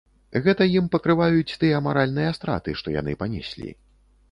Гэта ім пакрываюць тыя маральныя страты, што яны панеслі.